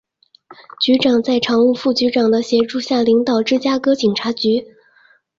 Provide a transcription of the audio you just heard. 局长在常务副局长的协助下领导芝加哥警察局。